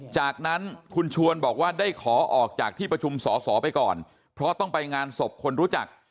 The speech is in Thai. จากนั้นคุณชวนบอกว่าได้ขอออกจากที่ประชุมสอสอไปก่อนเพราะต้องไปงานศพคนรู้จัก